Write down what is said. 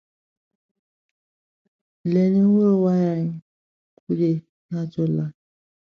Stranahan's father also died from cancer.